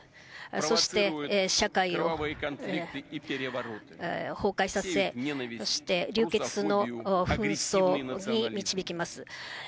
そして社会を崩壊させ、そして流血の紛争に導きます。